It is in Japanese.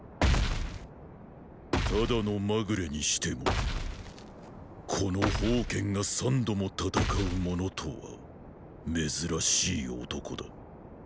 ただのまぐれにしてもこの煖が三度も戦う者とは珍しい男だ。